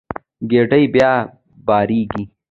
کډې بیا بارېږي.